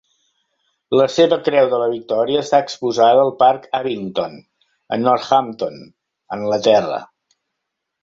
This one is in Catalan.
La seva Creu de la Victòria està exposada al parc Abington, a Northampton, Anglaterra.